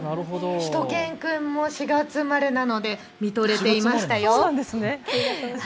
しゅと犬くんも４月生まれなので見とれていましたよ。